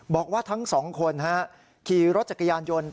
บอกว่าทั้งสองคนขี่รถจักรยานยนต์